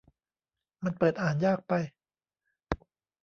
มันเปิดอ่านยากไป